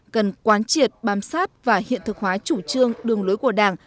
cần quán triệt bám sát và hiện thực hóa chủ trương đường lối của đảng